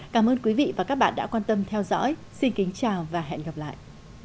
cảm ơn quý vị và các bạn đã quan tâm theo dõi xin kính chào và hẹn gặp lại